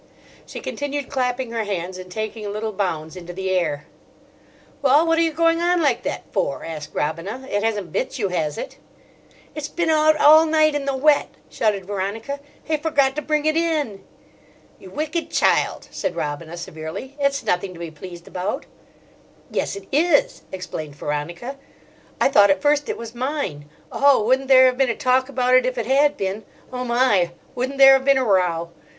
She continued clapping her hands and taking little bounds into the air. "Well, what are you going on like that for?" asked Robina. "It hasn't bit you, has it?" "It's been out all night in the wet," shouted Veronica. "He forgot to bring it in." "You wicked child!" said Robina severely. "It's nothing to be pleased about." "Yes, it is," explained Veronica. "I thought at first it was mine. Oh, wouldn't there have been a talk about it, if it had been! Oh my! wouldn't there have been a row!"